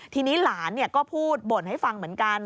ทีนี้หลานก็พูดบ่นให้ฟังเหมือนกัน